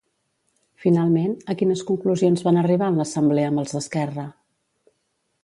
Finalment, a quines conclusions van arribar en l'assemblea amb els d'Esquerra?